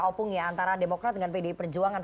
opung ya antara demokrat dengan pdi perjuangan